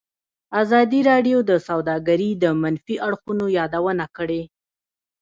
ازادي راډیو د سوداګري د منفي اړخونو یادونه کړې.